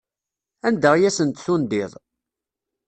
Anda ay asent-tendiḍ?